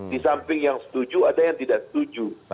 di samping yang setuju ada yang tidak setuju